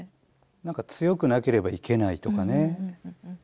何か強くなければいけないとかね